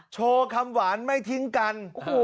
โชว์คำหวานไม่ทิ้งกัน